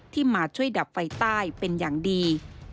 มาช่วยดับไฟใต้เป็นอย่างดี